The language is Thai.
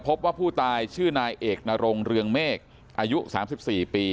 พบว่าผู้ตายชื่อนายเอกนรงเรืองเมฆอายุ๓๔ปี